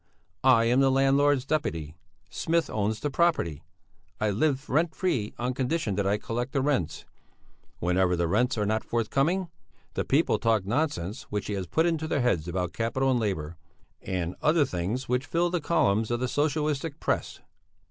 I am the landlord's deputy Smith owns the property I live there rent free on condition that I collect the rents; whenever the rents are not forthcoming, the people talk nonsense which he has put into their heads about capital and labour, and other things which fill the columns of the Socialistic press."